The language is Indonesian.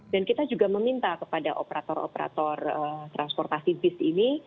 dan kita juga meminta kepada operator operator transportasi bis ini